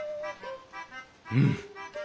うん。